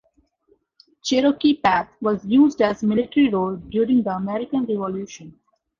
Cherokee Path was used as a military road during the American Revolution.